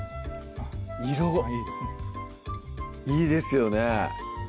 色いいですよね